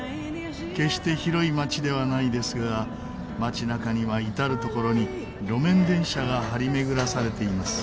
決して広い町ではないですが町中には至る所に路面電車が張り巡らされています。